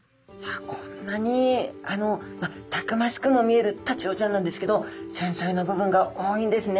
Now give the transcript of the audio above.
こんなにたくましくも見えるタチウオちゃんなんですけど繊細な部分が多いんですね。